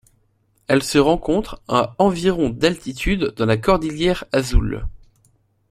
Elle se rencontre à environ d'altitude dans la cordillère Azul.